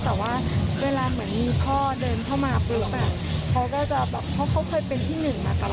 แต่ว่าเวลาเหมือนมีพ่อเดินเข้ามาเปลือง